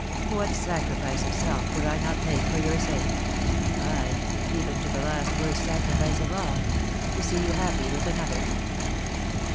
What sacrifice of self would I not make for your sake— ay, even to the last worst sacrifice of all — to see you happy with another?